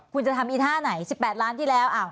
คุณจะทำอีท่าไหน๑๘ล้านที่แล้ว